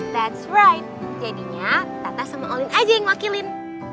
that's right jadinya tata sama olin aja yang wakilin